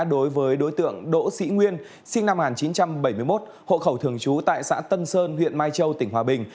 đối với đối tượng đỗ sĩ nguyên sinh năm một nghìn chín trăm bảy mươi một hộ khẩu thường trú tại xã tân sơn huyện mai châu tỉnh hòa bình